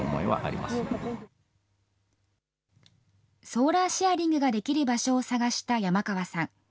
ソーラーシェアリングができる場所を探した山川さん。